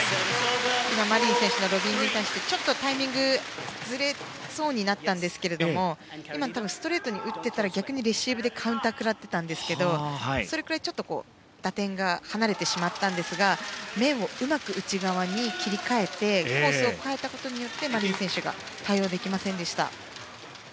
今、マリン選手のロビングに対してちょっとタイミングがずれそうになったんですが今のは多分ストレートに打ってたら逆にレシーブでカウンターを食らっていたんですがそれくらい、ちょっと打点が離れてしまったんですが面をうまく内側に切り替えてコースを変えたことでマリン選手が対応できませんでした。